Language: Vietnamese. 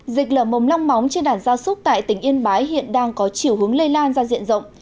dịch lở mồm long móng trên đàn gia súc tại tỉnh yên bái hiện đang có chiều hướng lây lan ra diện rộng